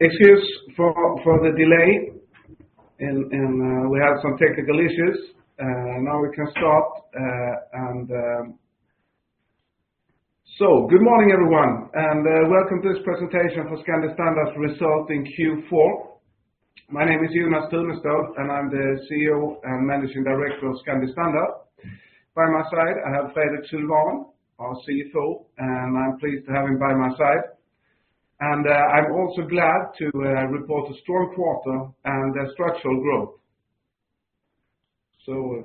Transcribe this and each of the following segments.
Excuse for the delay. We had some technical issues. Now we can start. Good morning, everyone, and welcome to this presentation for Scandi Standard results Q4. My name is Jonas Tunestål, and I'm the CEO and Managing Director of Scandi Standard. By my side, I have Fredrik Sylwan, our CFO, and I'm pleased to have him by my side. I'm also glad to report a strong quarter and structural growth.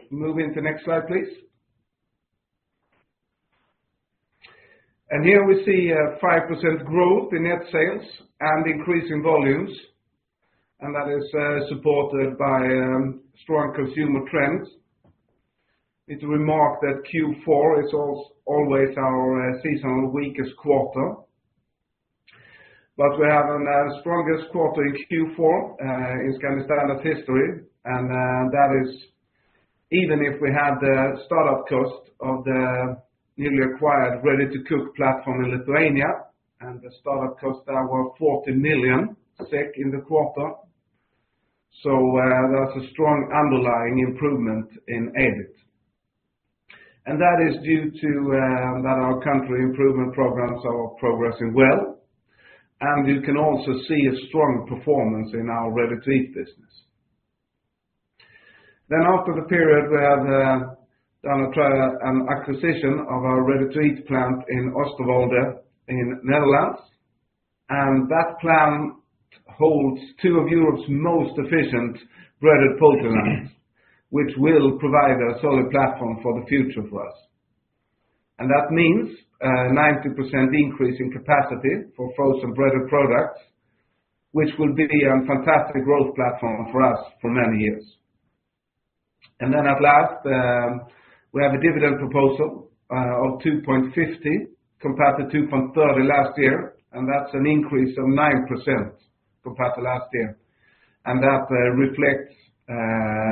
Moving to the next slide, please. Here we see 5% growth in net sales and increasing volumes, and that is supported by strong consumer trends. It's worth remarking that Q4 is always our seasonally weakest quarter. But we have our strongest quarter in Q4 in Scandi Standard history, and that is even if we had the startup cost of the newly acquired ready-to-cook platform in Lithuania, and the startup costs are worth 40 million in the quarter. So, that's a strong underlying improvement in EBIT. And that is due to that our country improvement programs are progressing well, and you can also see a strong performance in our ready-to-eat business. Then, after the period, we have done an acquisition of our ready-to-eat plant in Oosterwolde in the Netherlands. And that plant holds two of Europe's most efficient breaded proteins, which will provide a solid platform for the future for us. And that means a 90% increase in capacity for frozen breaded products, which will be a fantastic growth platform for us for many years. Then, at last, we have a dividend proposal of 2.50 compared to 2.30 last year, and that's an increase of 9% compared to last year. That reflects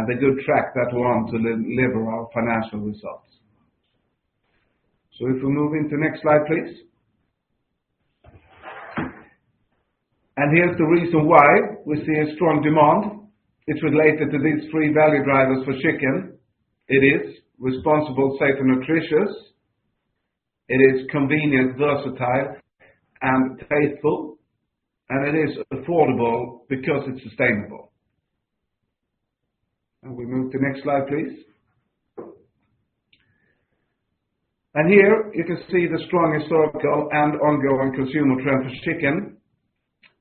the good track that we want to deliver our financial results. If we move into the next slide, please. Here's the reason why we see a strong demand. It's related to these three value drivers for chicken. It is responsible, safe, and nutritious. It is convenient, versatile, and faithful. It is affordable because it's sustainable. We move to the next slide, please. Here, you can see the strong historical and ongoing consumer trend for chicken.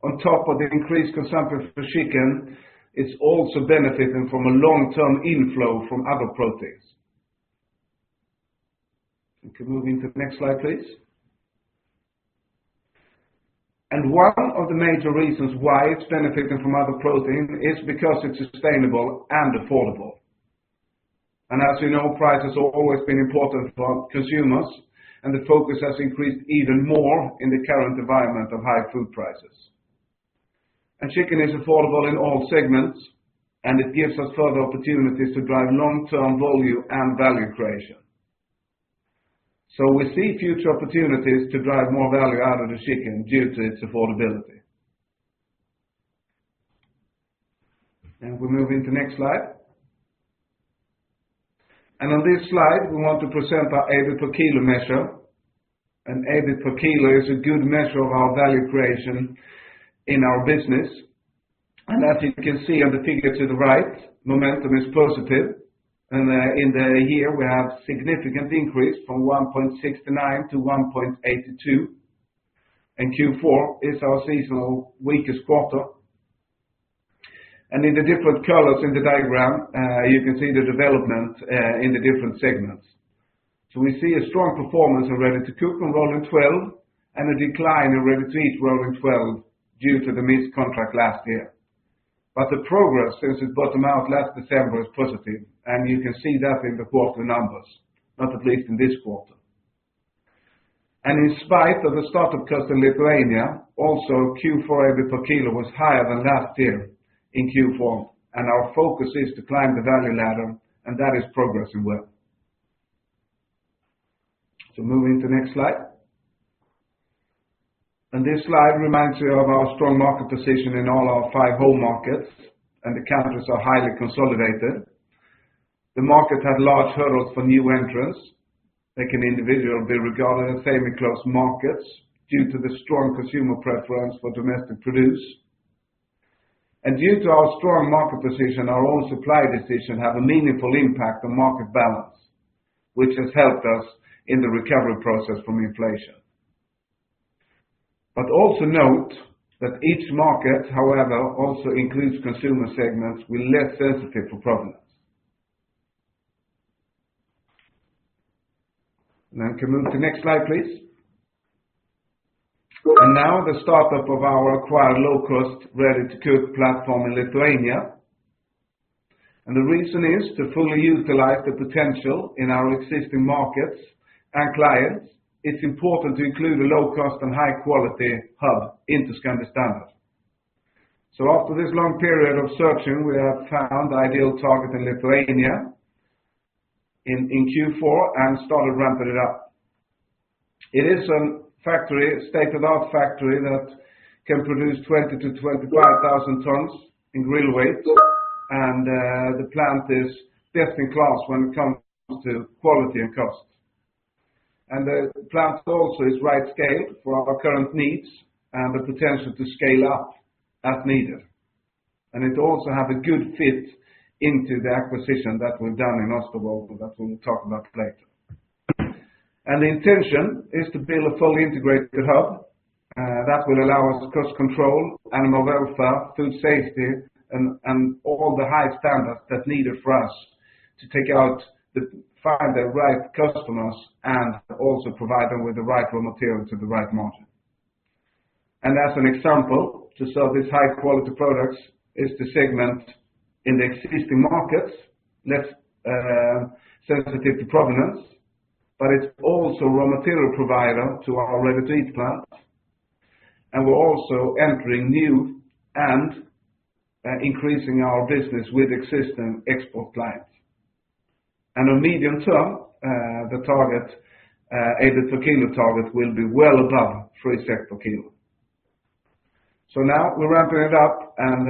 On top of the increased consumption for chicken, it's also benefiting from a long-term inflow from other proteins. We can move into the next slide, please. One of the major reasons why it's benefiting from other protein is because it's sustainable and affordable. As you know, prices have always been important for consumers, and the focus has increased even more in the current environment of high food prices. Chicken is affordable in all segments, and it gives us further opportunities to drive long-term volume and value creation. We see future opportunities to drive more value out of the chicken due to its affordability. We move into the next slide. On this slide, we want to present our EBIT per kilo measure. EBIT per kilo is a good measure of our value creation in our business. As you can see on the figure to the right, momentum is positive. In the year, we have a significant increase from 1.69 to 1.82. Q4 is our seasonal weakest quarter. In the different colors in the diagram, you can see the development in the different segments. So, we see a strong performance in ready-to-cook and rolling 12, and a decline in ready-to-eat rolling 12 due to the missed contract last year. But the progress since it bottomed out last December is positive, and you can see that in the quarter numbers, not least in this quarter. In spite of the startup cost in Lithuania, also Q4 EBIT per kilo was higher than last year in Q4. Our focus is to climb the value ladder, and that is progressing well. Moving to the next slide. This slide reminds you of our strong market position in all our five home markets, and the countries are highly consolidated. The markets had large hurdles for new entrants. They can individually be regarded as semi-closed markets due to the strong consumer preference for domestic produce, and due to our strong market position, our own supply decisions have a meaningful impact on market balance, which has helped us in the recovery process from inflation, but also note that each market, however, also includes consumer segments with less sensitivity for provenance, and then can move to the next slide, please, and now the startup of our acquired low-cost ready-to-cook platform in Lithuania, and the reason is to fully utilize the potential in our existing markets and clients. It's important to include a low-cost and high-quality hub into Scandi Standard, so after this long period of searching, we have found the ideal target in Lithuania in Q4 and started ramping it up. It is a factory, a state-of-the-art factory that can produce 20,000-25,000 tons in grill weight, and the plant is best in class when it comes to quality and cost, and the plant also is right-scaled for our current needs and the potential to scale up as needed, and it also has a good fit into the acquisition that we've done in Oosterwolde that we'll talk about later, and the intention is to build a fully integrated hub that will allow us cost control, animal welfare, food safety, and all the high standards that are needed for us to find the right customers and also provide them with the right raw material to the right market, and as an example, to sell these high-quality products is to segment in the existing markets less sensitive to provenance, but it's also a raw material provider to our ready-to-eat plants. And we're also entering new and increasing our business with existing export clients. And on medium term, the target, EBIT per kilo target, will be well above 3 per kilo. So now we're ramping it up, and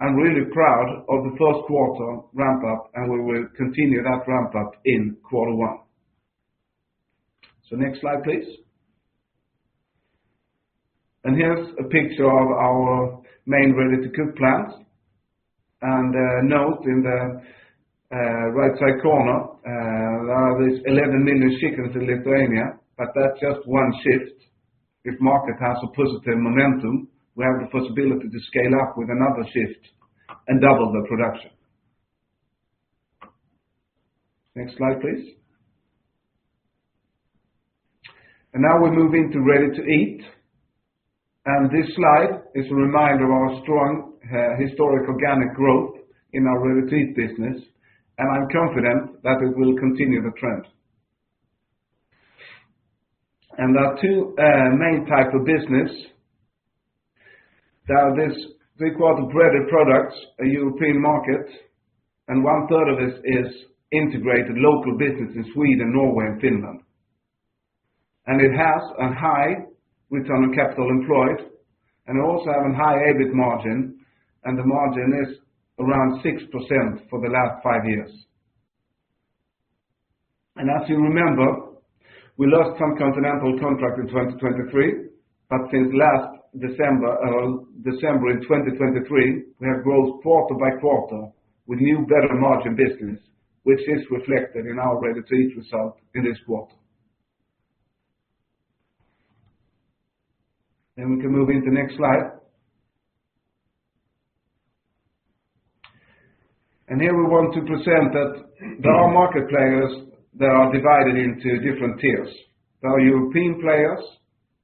I'm really proud of the first quarter ramp-up, and we will continue that ramp-up in quarter one. So, next slide, please. And here's a picture of our main ready-to-cook plants. And note in the right-side corner, there are these 11 million chickens in Lithuania, but that's just one shift. If the market has a positive momentum, we have the possibility to scale up with another shift and double the production. Next slide, please. And now we move into ready-to-eat. And this slide is a reminder of our strong historical organic growth in our ready-to-eat business, and I'm confident that it will continue the trend. And there are two main types of business. There are these three-quarters breaded products in the European market, and one-third of this is integrated local business in Sweden, Norway, and Finland. And it has a high return on capital employed, and it also has a high EBIT margin, and the margin is around 6% for the last five years. And as you remember, we lost some continental contracts in 2023, but since last December in 2023, we have grown quarter by quarter with new better margin business, which is reflected in our ready-to-eat result in this quarter. And we can move into the next slide. And here we want to present that there are market players that are divided into different tiers. There are European players,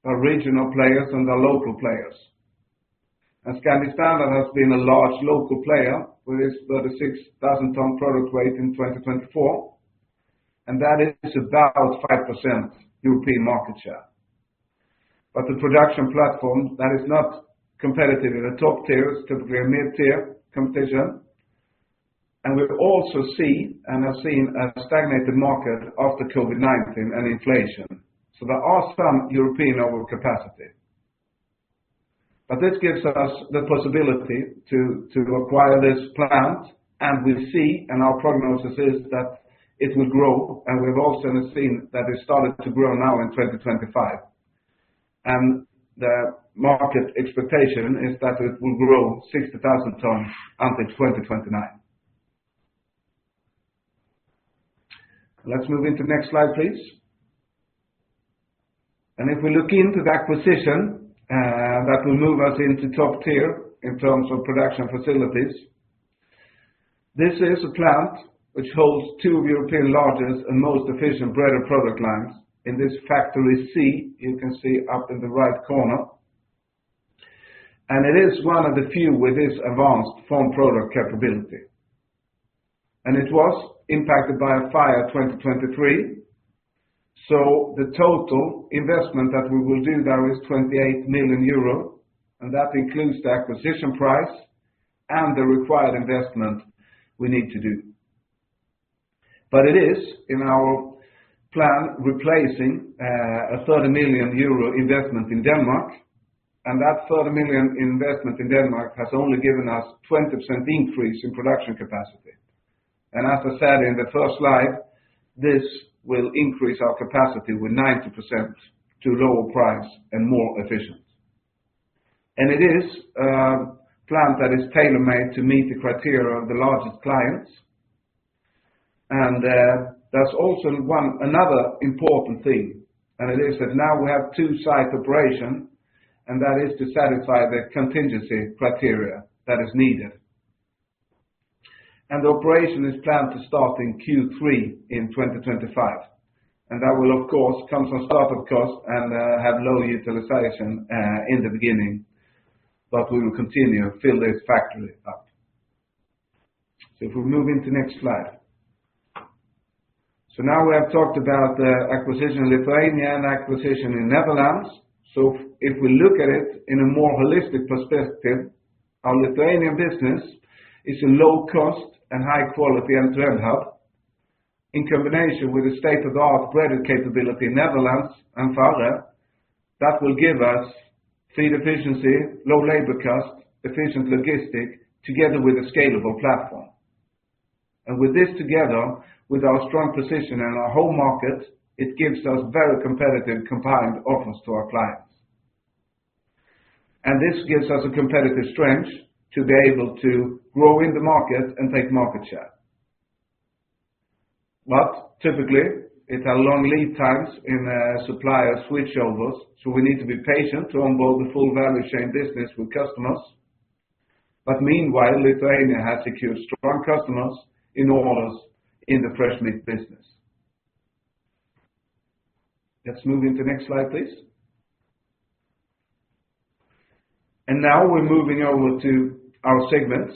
there are regional players, and there are local players. Scandi Standard has been a large local player with its 36,000-ton product weight in 2024, and that is about 5% European market share. The production platform, that is not competitive in the top tiers, typically a mid-tier competition. We also see and have seen a stagnated market after COVID-19 and inflation. There are some European overcapacity. This gives us the possibility to acquire this plant, and we see, and our prognosis is that it will grow, and we've also seen that it started to grow now in 2025. The market expectation is that it will grow 60,000 tons until 2029. Let's move into the next slide, please. If we look into the acquisition, that will move us into top tier in terms of production facilities. This is a plant which holds two of the European largest and most efficient breaded product lines in this Factory C you can see up in the right corner. It is one of the few with this advanced form product capability. It was impacted by a fire in 2023. The total investment that we will do there is 28 million euro, and that includes the acquisition price and the required investment we need to do. It is in our plan replacing a 30 million euro investment in Denmark, and that 30 million investment in Denmark has only given us a 20% increase in production capacity. As I said in the first slide, this will increase our capacity with 90% to a lower price and more efficient. It is a plant that is tailor-made to meet the criteria of the largest clients. There's also another important thing, and it is that now we have two-site operation, and that is to satisfy the contingency criteria that is needed. The operation is planned to start in Q3 in 2025. That will, of course, come from startup costs and have low utilization in the beginning, but we will continue to fill this factory up. If we move into the next slide. Now we have talked about the acquisition in Lithuania and the acquisition in Netherlands. If we look at it in a more holistic perspective, our Lithuanian business is a low-cost and high-quality end-to-end hub in combination with the state-of-the-art breaded capability in Netherlands and Farre that will give us feed efficiency, low labor costs, efficient logistics, together with a scalable platform. And with this together, with our strong position in our home market, it gives us very competitive combined offers to our clients. And this gives us a competitive strength to be able to grow in the market and take market share. But typically, it has long lead times in supplier switchovers, so we need to be patient to onboard the full value chain business with customers. But meanwhile, Lithuania has secured strong customers in orders in the fresh meat business. Let's move into the next slide, please. And now we're moving over to our segments,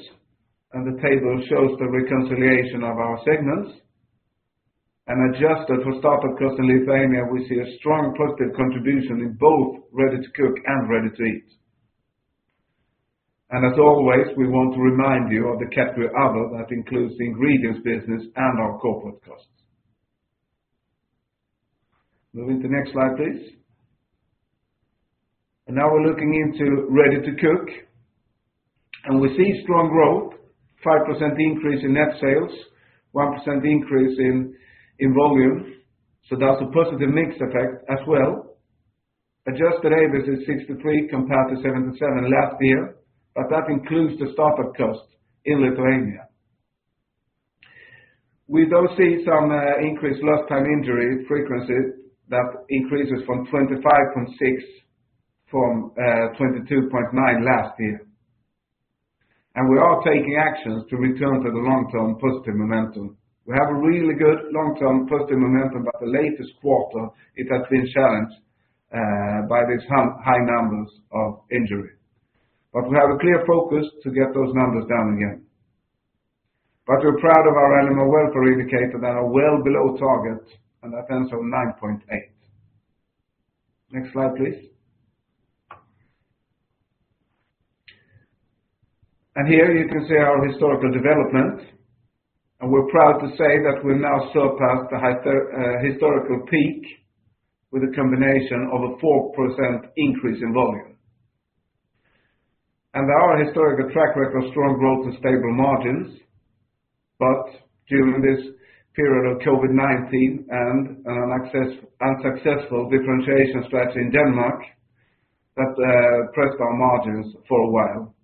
and the table shows the reconciliation of our segments. And adjusted for startup cost in Lithuania, we see a strong positive contribution in both ready-to-cook and ready-to-eat. And as always, we want to remind you of the category Other that includes the ingredients business and our corporate costs. Moving to the next slide, please. Now we're looking into ready-to-cook, and we see strong growth, 5% increase in net sales, 1% increase in volume. That's a positive mixed effect as well. Adjusted EBIT is 63 million compared to 77 million last year, but that includes the startup cost in Lithuania. We do see some increased Lost Time Injury Frequency that increases from 22.9 to 25.6 last year. We are taking actions to return to the long-term positive momentum. We have a really good long-term positive momentum, but the latest quarter, it has been challenged by these high numbers of injury. We have a clear focus to get those numbers down again. We're proud of our animal welfare indicator that are well below target, and that ends on 9.8. Next slide, please. And here you can see our historical development, and we're proud to say that we've now surpassed the historical peak with a combination of a 4% increase in volume. And there are historical track records, strong growth, and stable margins, but during this period of COVID-19 and an unsuccessful differentiation strategy in Denmark that pressed our margins for a while.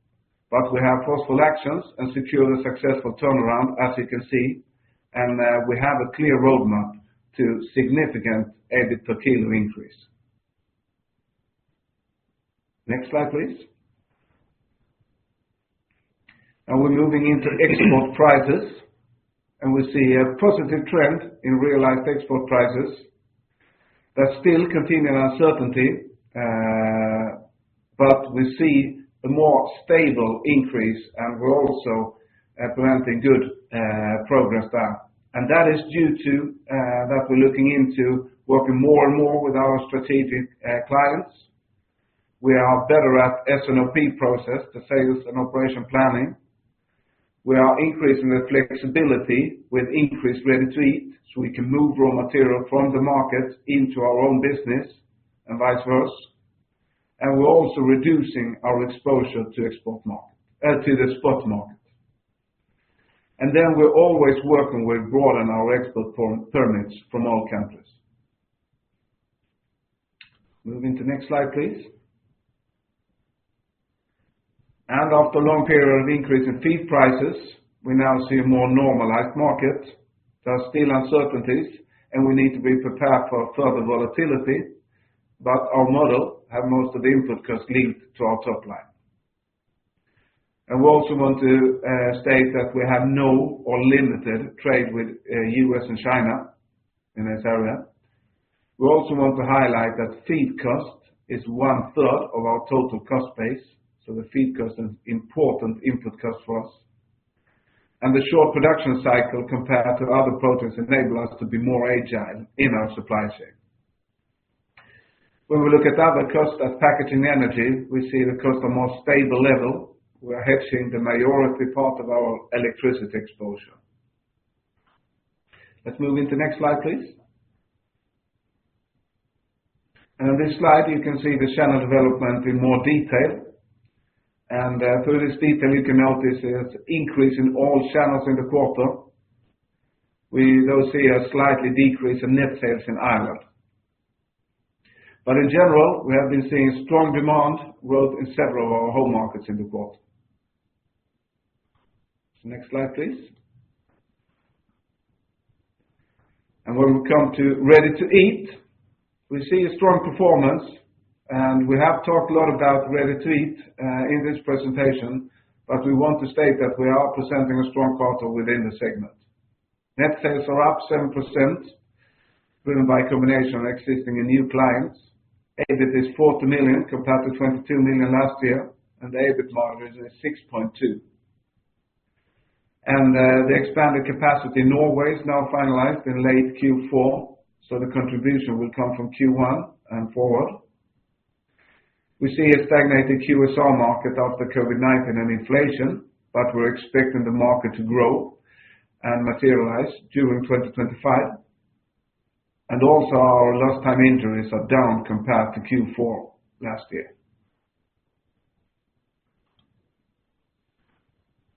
But we have forceful actions and secured a successful turnaround, as you can see, and we have a clear roadmap to significant EBIT per kilo increase. Next slide, please. Now we're moving into export prices, and we see a positive trend in realized export prices. There's still continued uncertainty, but we see a more stable increase, and we're also implementing good progress there. And that is due to that we're looking into working more and more with our strategic clients. We are better at S&OP process, the sales and operations planning. We are increasing the flexibility with increased ready-to-eat, so we can move raw material from the market into our own business and vice versa. And we're also reducing our exposure to the spot market. And then we're always working with broadening our export permits from all countries. Moving to the next slide, please. And after a long period of increase in feed prices, we now see a more normalized market. There are still uncertainties, and we need to be prepared for further volatility, but our model has most of the input cost linked to our top line. And we also want to state that we have no or limited trade with the U.S. and China in this area. We also want to highlight that feed cost is one-third of our total cost base, so the feed cost is an important input cost for us. And the short production cycle compared to other proteins enables us to be more agile in our supply chain. When we look at other costs as packaging energy, we see the cost at a more stable level. We are hedging the majority part of our electricity exposure. Let's move into the next slide, please. And on this slide, you can see the channel development in more detail, and through this detail, you can notice an increase in all channels in the quarter. We do see a slight decrease in net sales in Ireland. But in general, we have been seeing strong demand growth in several of our home markets in the quarter. Next slide, please. When we come to ready-to-eat, we see a strong performance, and we have talked a lot about ready-to-eat in this presentation, but we want to state that we are presenting a strong quarter within the segment. Net sales are up 7% driven by a combination of existing and new clients. EBIT is 40 million compared to 22 million last year, and the EBIT margin is 6.2%. The expanded capacity in Norway is now finalized in late Q4, so the contribution will come from Q1 and forward. We see a stagnated QSR market after COVID-19 and inflation, but we're expecting the market to grow and materialize during 2025. Also, our Lost Time Injury Frequency is down compared to Q4 last year.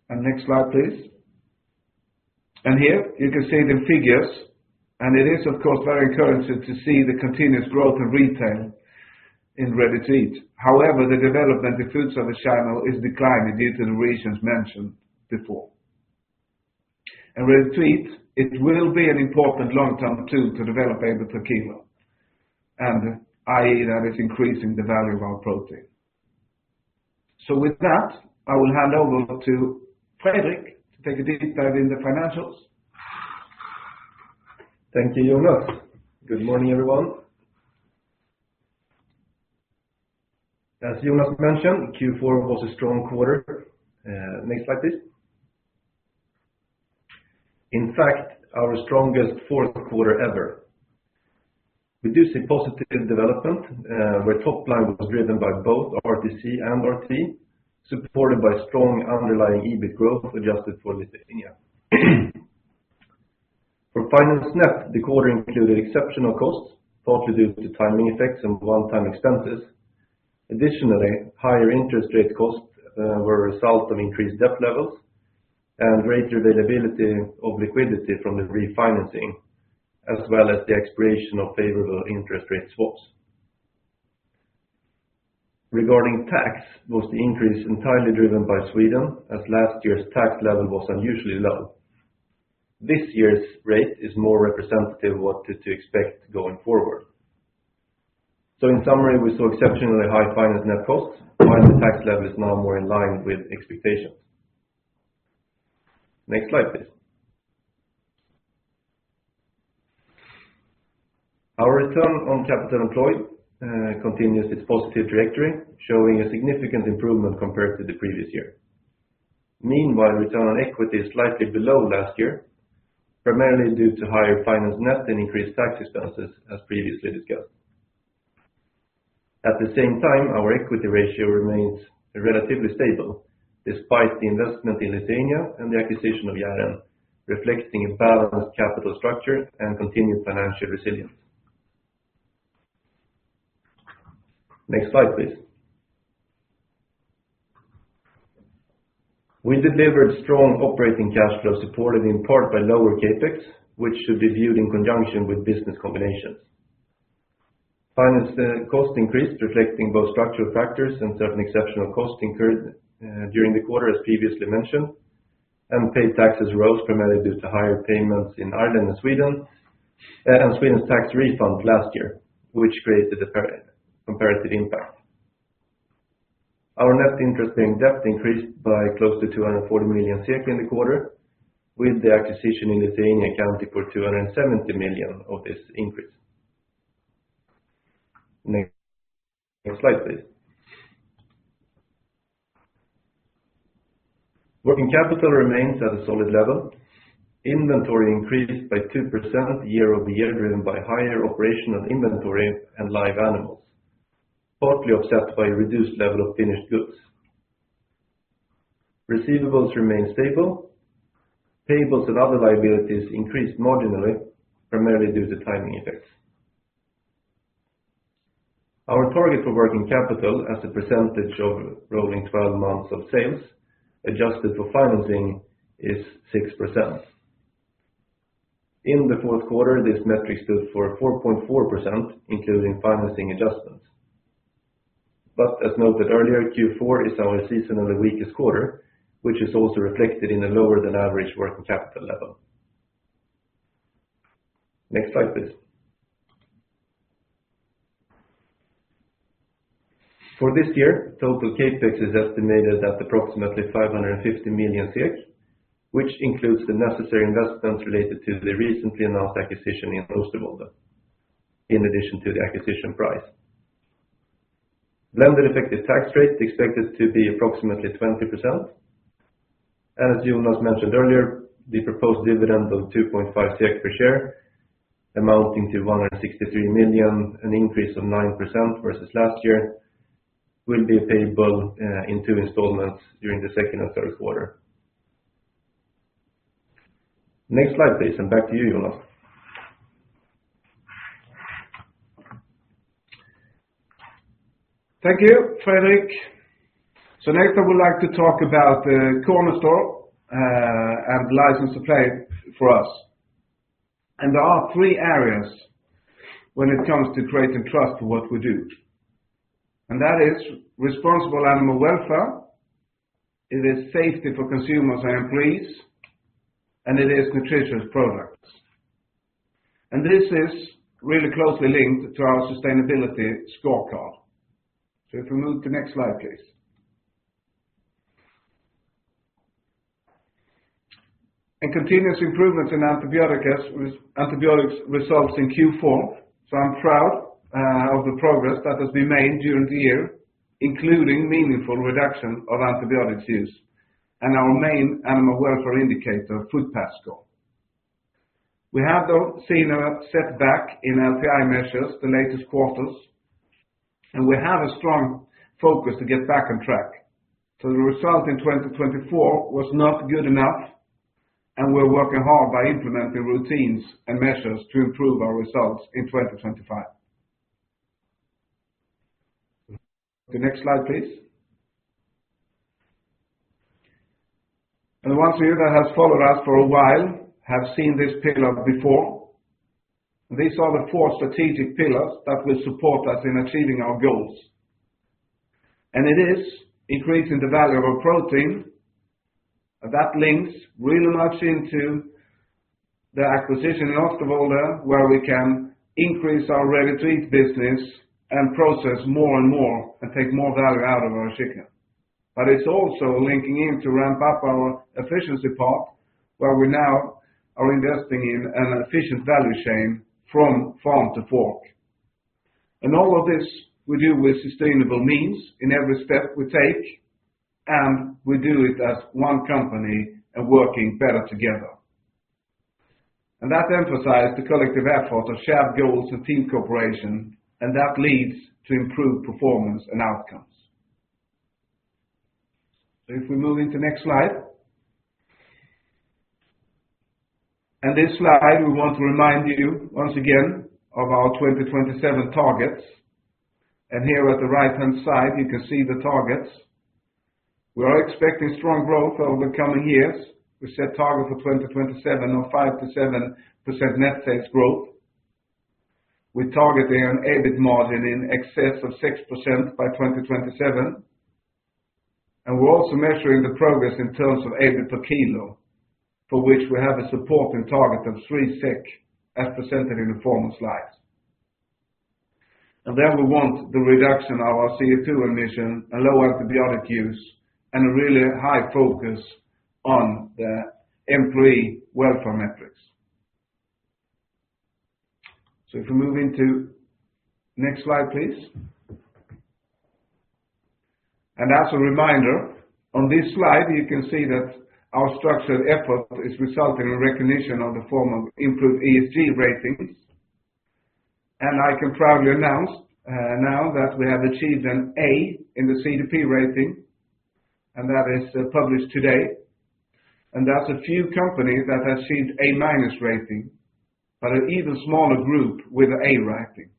Next slide, please. Here you can see the figures, and it is, of course, very encouraging to see the continuous growth of retail in ready-to-eat. However, the development of food service channel is declining due to the regions mentioned before, and ready-to-eat, it will be an important long-term tool to develop EBIT per kilo, and i.e., that is increasing the value of our protein, so with that, I will hand over to Fredrik to take a deep dive in the financials. Thank you, Jonas. Good morning, everyone. As Jonas mentioned, Q4 was a strong quarter. Next slide, please. In fact, our strongest fourth quarter ever. We do see positive development, where top line was driven by both RTC and RTE, supported by strong underlying EBIT growth adjusted for Lithuania. For finance net, the quarter included exceptional costs, partly due to timing effects and one-time expenses. Additionally, higher interest rate costs were a result of increased debt levels and greater availability of liquidity from the refinancing, as well as the expiration of favorable interest rate swaps. Regarding tax, was the increase entirely driven by Sweden, as last year's tax level was unusually low? This year's rate is more representative of what to expect going forward, so in summary, we saw exceptionally high finance net costs, while the tax level is now more in line with expectations. Next slide, please. Our return on capital employed continues its positive trajectory, showing a significant improvement compared to the previous year. Meanwhile, return on equity is slightly below last year, primarily due to higher finance net and increased tax expenses, as previously discussed. At the same time, our equity ratio remains relatively stable, despite the investment in Lithuania and the acquisition of Jæren, reflecting a balanced capital structure and continued financial resilience. Next slide, please. We delivered strong operating cash flow supported in part by lower CapEx, which should be viewed in conjunction with business combinations. Finance cost increased, reflecting both structural factors and certain exceptional costs incurred during the quarter, as previously mentioned, and paid taxes rose primarily due to higher payments in Ireland and Sweden and Sweden's tax refund last year, which created a comparative impact. Our net interest-bearing debt increased by close to 240 million SEK in the quarter, with the acquisition in Lithuania accounting for 270 million of this increase. Next slide, please. Working capital remains at a solid level. Inventory increased by 2% year-over-year, driven by higher operational inventory and live animals, partly offset by a reduced level of finished goods. Receivables remained stable. Payables and other liabilities increased marginally, primarily due to timing effects. Our target for working capital as a percentage of rolling 12 months of sales adjusted for financing is 6%. In the fourth quarter, this metric stood at 4.4%, including financing adjustments. But as noted earlier, Q4 is our seasonally weakest quarter, which is also reflected in a lower than average working capital level. Next slide, please. For this year, total CapEx is estimated at approximately 550 million, which includes the necessary investments related to the recently announced acquisition in Oosterwolde, in addition to the acquisition price. Effective tax rate expected to be approximately 20%. As Jonas mentioned earlier, the proposed dividend of 2.5 SEK per share, amounting to 163 million, an increase of 9% versus last year, will be payable in two installments during the second and third quarter. Next slide, please, and back to you, Jonas. Thank you, Fredrik. So next, I would like to talk about the cornerstone and license to play for us. And there are three areas when it comes to creating trust for what we do. And that is responsible animal welfare, it is safety for consumers and employees, and it is nutritious products. And this is really closely linked to our sustainability scorecard. So if we move to the next slide, please. And continuous improvements in antibiotics results in Q4. So I'm proud of the progress that has been made during the year, including meaningful reduction of antibiotics use and our main animal welfare indicator, foot pad score. We have, though, seen a setback in LTI measures the latest quarters, and we have a strong focus to get back on track. So the result in 2024 was not good enough, and we're working hard by implementing routines and measures to improve our results in 2025. The next slide, please. And the ones of you that have followed us for a while have seen this pillar before. These are the four strategic pillars that will support us in achieving our goals, and it is increasing the value of our protein that links really much into the acquisition in Oosterwolde, where we can increase our ready-to-eat business and process more and more and take more value out of our chicken, but it's also linking in to ramp up our efficiency part, where we now are investing in an efficient value chain from farm to fork, and all of this we do with sustainable means in every step we take, and we do it as one company and working better together, and that emphasizes the collective effort of shared goals and team cooperation, and that leads to improved performance and outcomes, so if we move into the next slide, and this slide, we want to remind you once again of our 2027 targets. Here at the right-hand side, you can see the targets. We are expecting strong growth over the coming years. We set target for 2027 of 5%-7% net sales growth. We target an EBIT margin in excess of 6% by 2027. We're also measuring the progress in terms of EBIT per kilo, for which we have a supporting target of 3 SEK as presented in the former slides. Then we want the reduction of our CO2 emission, a low antibiotic use, and a really high focus on the employee welfare metrics. If we move into the next slide, please. As a reminder, on this slide, you can see that our structured effort is resulting in recognition of the former improved ESG ratings. I can proudly announce now that we have achieved an A in the CDP rating, and that is published today. That's a few companies that have achieved A rating, but an even smaller group with an A rating.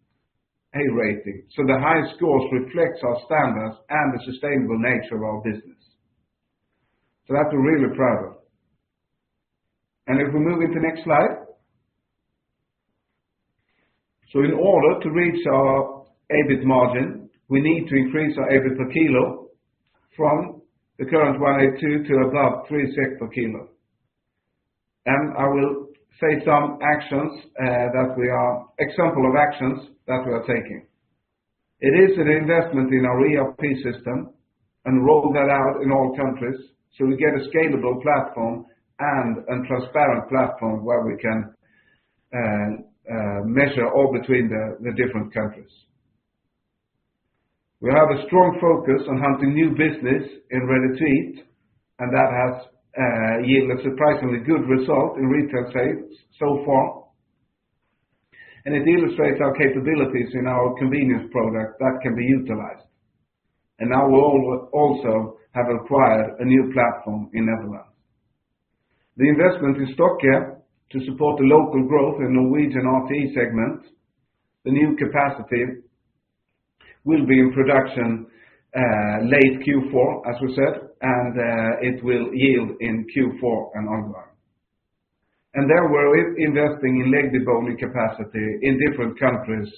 The high scores reflect our standards and the sustainable nature of our business. That's what we're really proud of. If we move into the next slide, in order to reach our EBIT margin, we need to increase our EBIT per kilo from the current 1.82 to above 3 SEK per kilo. I will say some examples of actions that we are taking. It is an investment in our ERP system and roll that out in all countries so we get a scalable platform and a transparent platform where we can measure all between the different countries. We have a strong focus on hunting new business in ready-to-eat, and that has yielded surprisingly good results in retail sales so far. It illustrates our capabilities in our convenience product that can be utilized. Now we also have acquired a new platform in Netherlands. The investment in Stokke to support the local growth in Norwegian RTE segment. The new capacity will be in production late Q4, as we said, and it will yield in Q4 and onward. Then we're investing in leg-deboning capacity in different countries.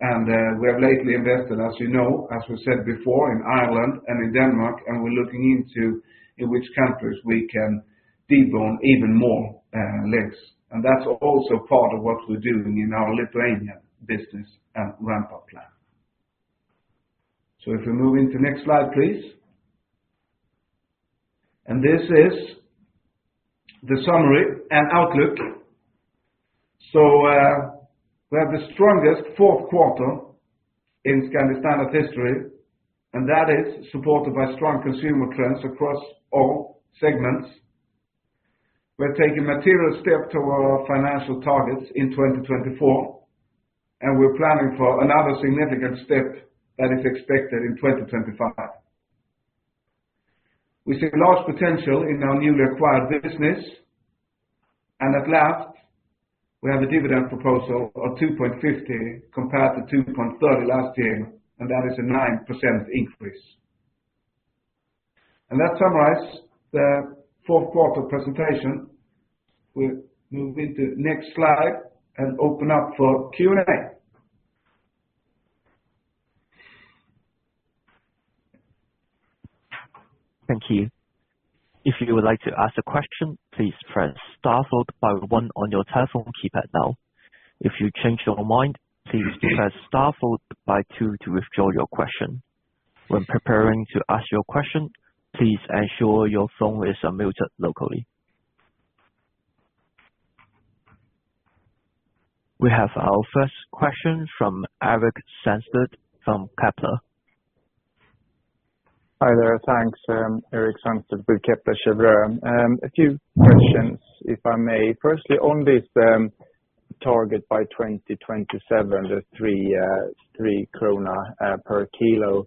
We have lately invested, as you know, as we said before, in Ireland and in Denmark, and we're looking into which countries we can debone even more legs. That's also part of what we're doing in our Lithuania business and ramp-up plan. If we move into the next slide, please. This is the summary and outlook. We have the strongest fourth quarter in Scandi Standard history, and that is supported by strong consumer trends across all segments. We're taking material steps toward our financial targets in 2024, and we're planning for another significant step that is expected in 2025. We see large potential in our newly acquired business, and at last, we have a dividend proposal of 2.50 compared to 2.30 last year, and that is a 9% increase, and that summarizes the fourth quarter presentation. We move into the next slide and open up for Q&A. Thank you. If you would like to ask a question, please press star, followed by one on your telephone keypad now. If you change your mind, please press star, followed by two to withdraw your question. When preparing to ask your question, please ensure your phone is unmuted locally. We have our first question from Erik Sandstedt from Kepler Cheuvreux. Hi there. Thanks, Eric. Thanks to Kepler Cheuvreux. A few questions, if I may. Firstly, on this target by 2027, the 3 krona per kilo,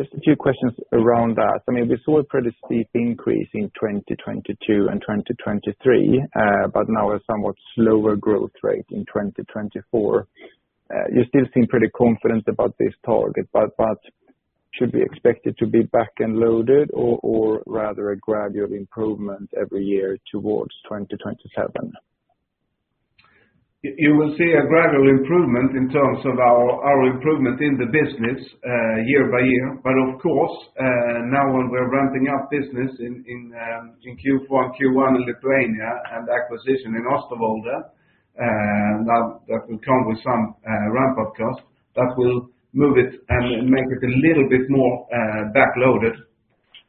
just a few questions around that. I mean, we saw a pretty steep increase in 2022 and 2023, but now a somewhat slower growth rate in 2024. You still seem pretty confident about this target, but should we expect it to be back-loaded, or rather a gradual improvement every year towards 2027? You will see a gradual improvement in terms of our improvement in the business year by year. But of course, now when we're ramping up business in Q1, Q1 in Lithuania and acquisition in Oosterwolde, that will come with some ramp-up costs that will move it and make it a little bit more back-loaded.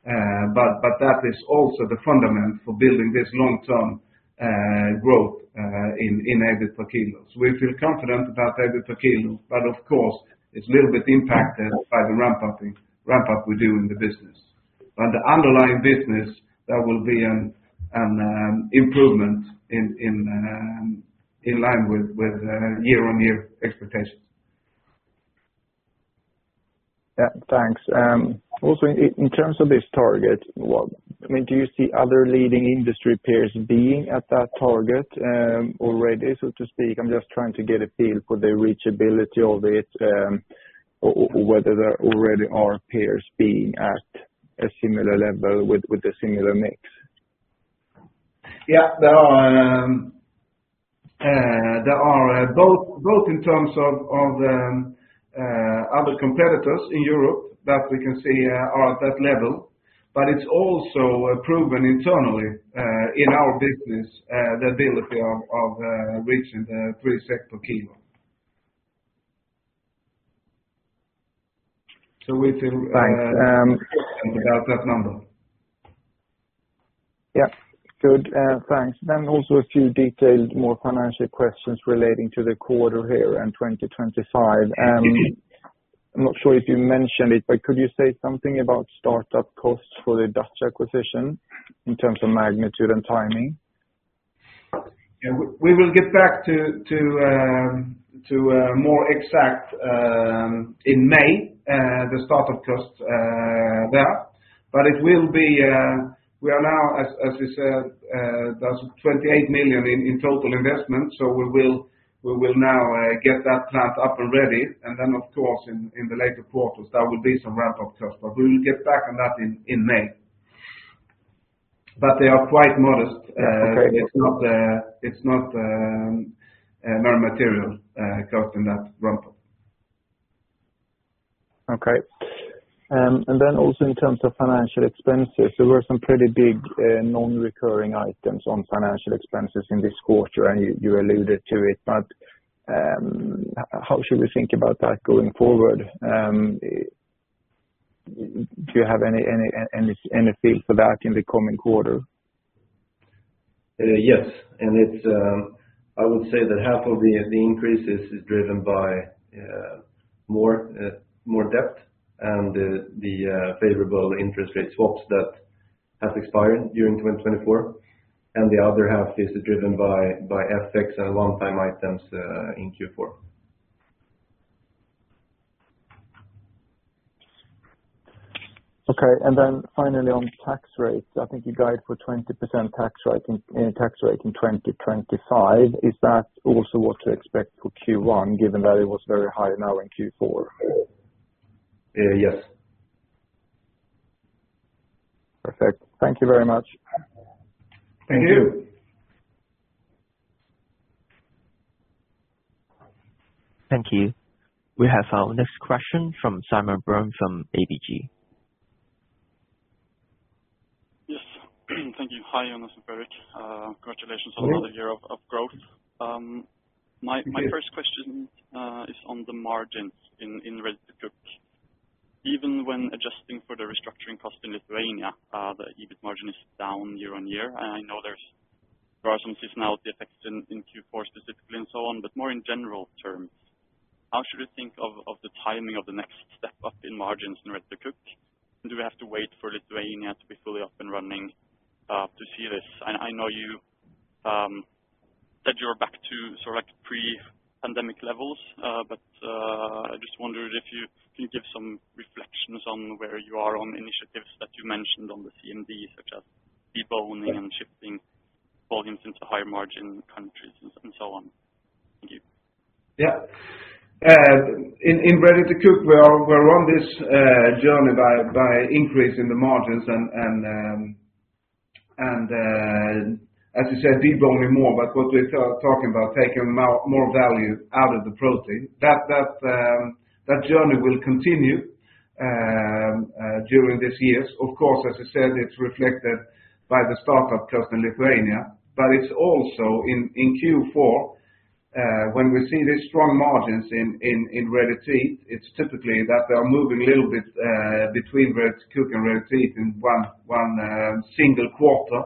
But that is also the foundation for building this long-term growth in EBIT per kilo. So we feel confident about EBIT per kilo, but of course, it's a little bit impacted by the ramp-up we do in the business. But the underlying business, there will be an improvement in line with year-on-year expectations. Yeah, thanks. Also, in terms of this target, I mean, do you see other leading industry peers being at that target already, so to speak? I'm just trying to get a feel for the reachability of it, whether there already are peers being at a similar level with a similar mix. Yeah, there are both in terms of other competitors in Europe that we can see are at that level. But it's also proven internally in our business the ability of reaching the 3 per kilo. So we feel confident about that number. Yeah, good. Thanks. Then also a few detailed more financial questions relating to the quarter here and 2025. I'm not sure if you mentioned it, but could you say something about startup costs for the Dutch acquisition in terms of magnitude and timing? We will get back to more exact in May, the startup costs there. But it will be we are now, as you said, 28 million in total investment, so we will now get that plant up and ready. And then, of course, in the later quarters, there will be some ramp-up costs, but we will get back on that in May. But they are quite modest. It's not very material cost in that ramp-up. Okay. And then also in terms of financial expenses, there were some pretty big non-recurring items on financial expenses in this quarter, and you alluded to it. But how should we think about that going forward? Do you have any feel for that in the coming quarter? Yes. And I would say that half of the increase is driven by more debt and the favorable interest rate swaps that have expired during 2024. And the other half is driven by FX and one-time items in Q4. Okay. And then finally, on tax rates, I think you guide for 20% tax rate in 2025. Is that also what to expect for Q1, given that it was very high now in Q4? Yes. Perfect. Thank you very much. Thank you. Thank you. We have our next question from Simon Brown from ABG. Yes. Thank you. Hi, Jonas and Fredrik. Congratulations on another year of growth. My first question is on the margins in ready-to-cook. Even when adjusting for the restructuring cost in Lithuania, the EBIT margin is down year-on-year. I know there are some seasonality effects in Q4 specifically and so on, but more in general terms, how should we think of the timing of the next step up in margins in ready-to-cook? Do we have to wait for Lithuania to be fully up and running to see this? I know you said you're back to sort of pre-pandemic levels, but I just wondered if you can give some reflections on where you are on initiatives that you mentioned on the CMD, such as deboning and shifting volumes into higher margin countries and so on. Thank you. Yeah. In ready-to-cook, we're on this journey by increasing the margins and, as you said, deboning more. What we're talking about, taking more value out of the protein, that journey will continue during these years. Of course, as you said, it's reflected by the startup cost in Lithuania, but it's also in Q4. When we see these strong margins in ready-to-eat, it's typically that they're moving a little bit between ready-to-cook and ready-to-eat in one single quarter,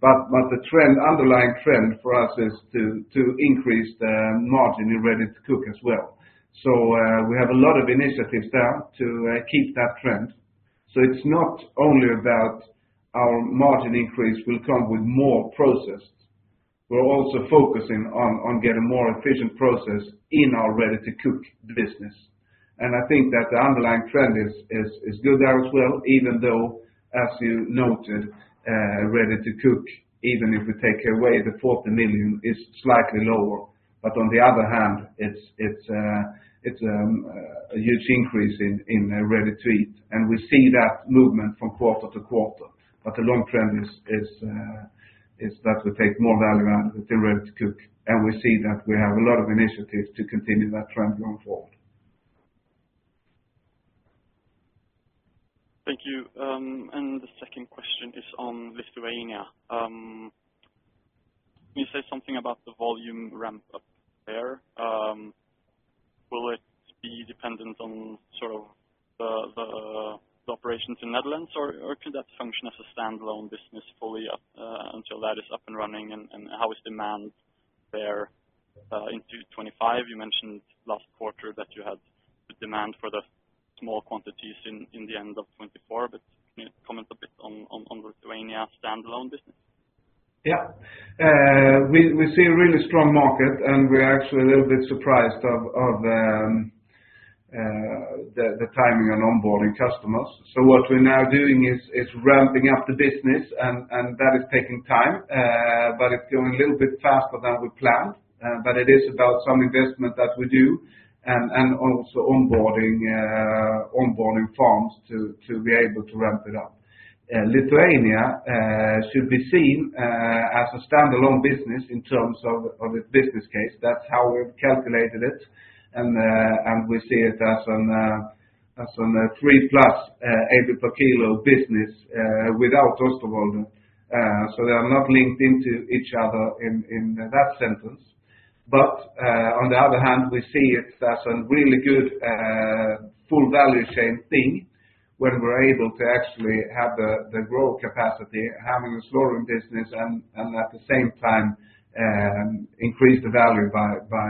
but the underlying trend for us is to increase the margin in ready-to-cook as well, so we have a lot of initiatives there to keep that trend, so it's not only about our margin increase will come with more process. We're also focusing on getting more efficient process in our ready-to-cook business, and I think that the underlying trend is good there as well, even though, as you noted, ready-to-cook, even if we take away the 40 million, is slightly lower, but on the other hand, it's a huge increase in ready-to-eat, and we see that movement from quarter-to-quarter. But the long trend is that we take more value out of it in ready-to-cook. And we see that we have a lot of initiatives to continue that trend going forward. Thank you. And the second question is on Lithuania. Can you say something about the volume ramp-up there? Will it be dependent on sort of the operations in Netherlands, or could that function as a standalone business fully until that is up and running? And how is demand there in 2025? You mentioned last quarter that you had demand for the small quantities in the end of 2024, but can you comment a bit on the Lithuania standalone business? Yeah. We see a really strong market, and we're actually a little bit surprised of the timing on onboarding customers. What we're now doing is ramping up the business, and that is taking time, but it's going a little bit faster than we planned. It is about some investment that we do and also onboarding farms to be able to ramp it up. Lithuania should be seen as a standalone business in terms of its business case. That's how we've calculated it. We see it as a 3 plus EBIT per kilo business without Oosterwolde. They are not linked into each other in that sentence. On the other hand, we see it as a really good full value chain thing when we're able to actually have the growth capacity, having a slaughter business, and at the same time increase the value by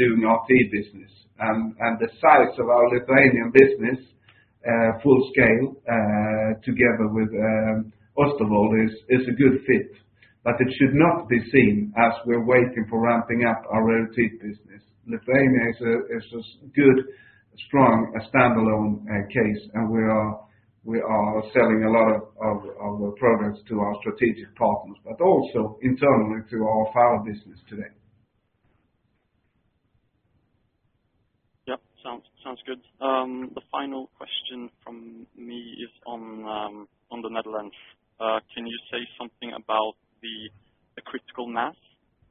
doing our RTE business. The size of our Lithuanian business, full scale, together with Oosterwolde, is a good fit. But it should not be seen as we're waiting for ramping up our ready-to-eat business. Lithuania is a good, strong, standalone case, and we are selling a lot of our products to our strategic partners, but also internally to our RTE business today. Yeah, sounds good. The final question from me is on the Netherlands. Can you say something about the critical mass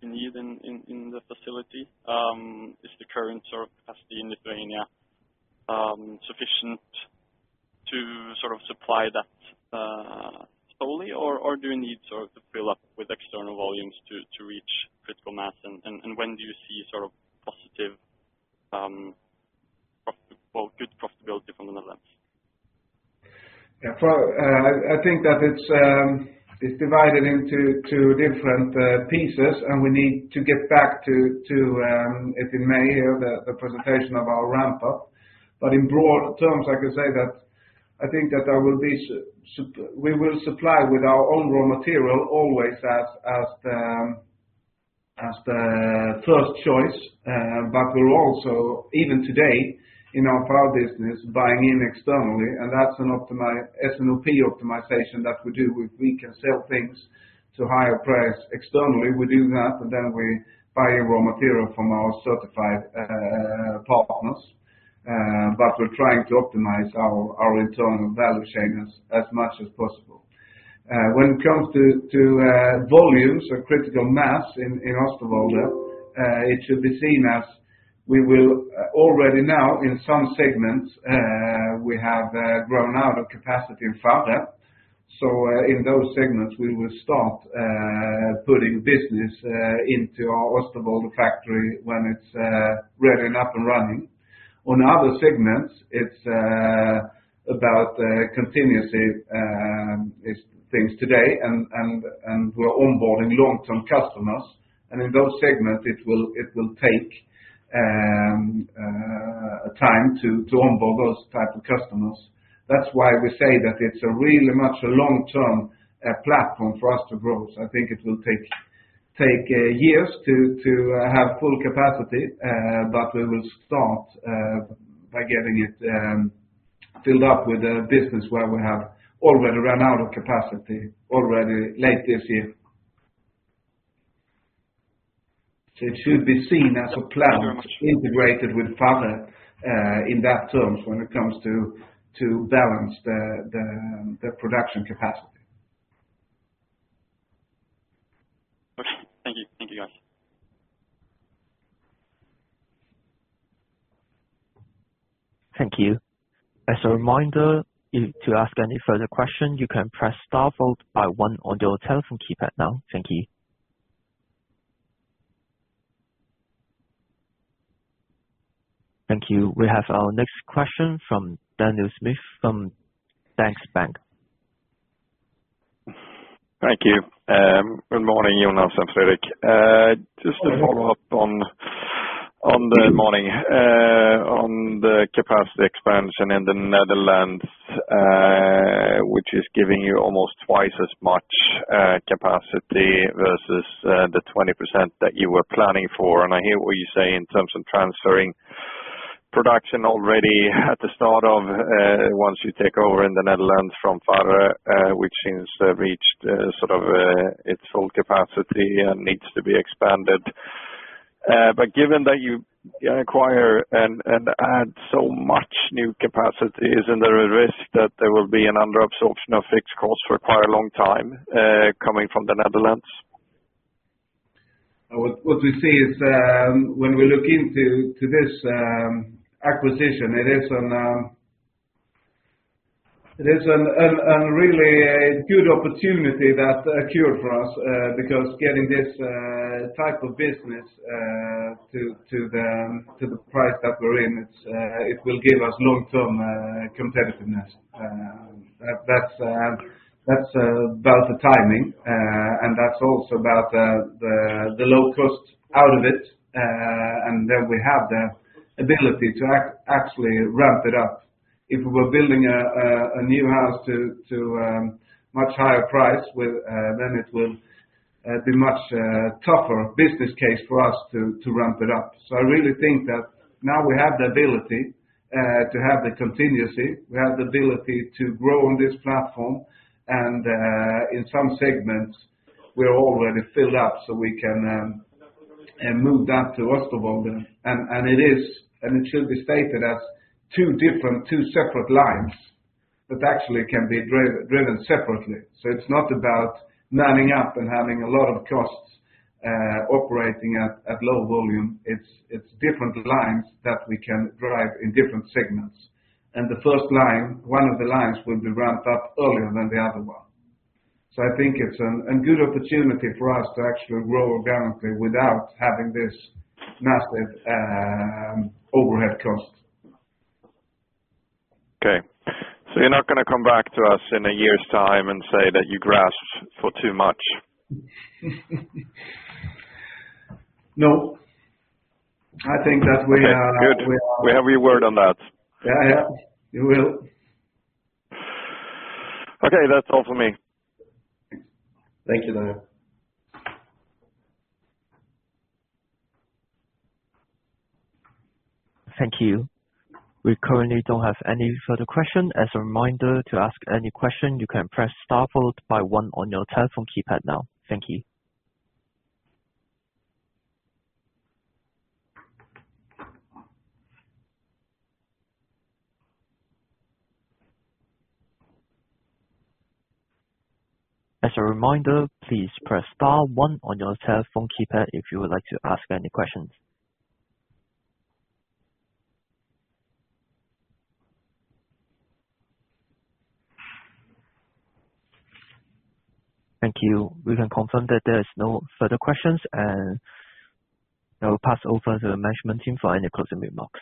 you need in the facility? Is the current sort of capacity in Lithuania sufficient to sort of supply that solely, or do you need sort of to fill up with external volumes to reach critical mass? And when do you see sort of positive, well, good profitability from the Netherlands? Yeah, I think that it's divided into two different pieces, and we need to get back to it in May, the presentation of our ramp-up. But in broad terms, I can say that I think that we will supply with our own raw material always as the first choice, but we'll also, even today, in our fillet business, buying in externally. And that's an S&OP optimization that we do. We can sell things to higher price externally. We do that, and then we buy in raw material from our certified partners. But we're trying to optimize our internal value chain as much as possible. When it comes to volumes or critical mass in Oosterwolde, it should be seen as we will already now, in some segments, we have grown out of capacity in Farre. So in those segments, we will start putting business into our Oosterwolde factory when it's ready and up and running. On other segments, it's about continuous things today, and we're onboarding long-term customers. And in those segments, it will take time to onboard those types of customers. That's why we say that it's really much a long-term platform for us to grow. So I think it will take years to have full capacity, but we will start by getting it filled up with a business where we have already run out of capacity already late this year. So it should be seen as a plan integrated with Farre in that terms when it comes to balance the production capacity. Okay. Thank you. Thank you, guys. Thank you. As a reminder, if you ask any further questions, you can press star followed by one on your telephone keypad now. Thank you. Thank you. We have our next question from Daniel Schmidt from Danske Bank. Thank you. Good morning, Jonas and Fredrik. Just to follow up on the morning, on the capacity expansion in the Netherlands, which is giving you almost twice as much capacity versus the 20% that you were planning for, and I hear what you say in terms of transferring production already at the start of once you take over in the Netherlands from Farre, which seems to have reached sort of its full capacity and needs to be expanded, but given that you acquire and add so much new capacity, isn't there a risk that there will be an underabsorption of fixed costs for quite a long time coming from the Netherlands? What we see is when we look into this acquisition, it is a really good opportunity that occurred for us because getting this type of business to the price that we're in, it will give us long-term competitiveness. That's about the timing, and that's also about the low cost out of it. And then we have the ability to actually ramp it up. If we were building a new house to a much higher price, then it will be a much tougher business case for us to ramp it up. So I really think that now we have the ability to have the continuity. We have the ability to grow on this platform. And in some segments, we're already filled up, so we can move that to Oosterwolde. And it should be stated as two separate lines that actually can be driven separately. So it's not about manning up and having a lot of costs operating at low volume. It's different lines that we can drive in different segments. And the first line, one of the lines will be ramped up earlier than the other one. So I think it's a good opportunity for us to actually grow organically without having this massive overhead cost. Okay. So you're not going to come back to us in a year's time and say that you grasped for too much? No. I think that we are. That's good. We have your word on that. Yeah, yeah. We will. Okay. That's all from me. Thank you, Daniel. Thank you. We currently don't have any further questions. As a reminder, to ask any question, you can press star followed by one on your telephone keypad now. Thank you. As a reminder, please press star one on your telephone keypad if you would like to ask any questions. Thank you. We can confirm that there are no further questions, and I will pass over to the management team for any closing remarks.